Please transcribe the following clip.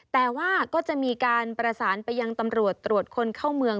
แต่ว่าก็จะมีการประสานไปยังตำรวจตรวจคนเข้าเมือง